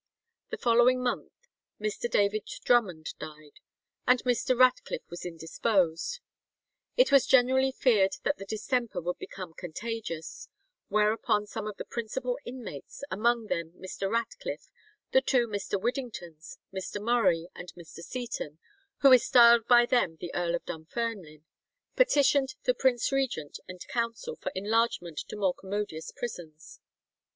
The following month Mr. David Drummond died, and Mr. Ratcliffe was indisposed. It was generally feared that the distemper would become contagious; whereupon some of the principal inmates, among them Mr. Ratcliffe, the two Mr. Widdingtons, Mr. Murray, and Mr. Seaton, "who is styled by them the Earl of Dumferline," petitioned the prince regent and Council for enlargement to more commodious prisons.